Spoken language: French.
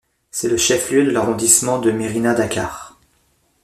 C'est le chef-lieu de l'arrondissement de Mérina Dakhar.